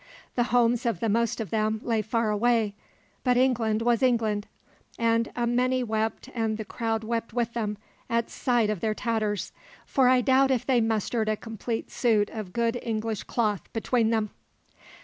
The homes of the most of them lay far away, but England was England; and a many wept and the crowd wept with them at sight of their tatters, for I doubt if they mustered a complete suit of good English cloth between them.